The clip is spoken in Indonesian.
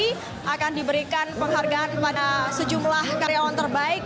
nanti akan diberikan penghargaan pada sejumlah karyawan terbaik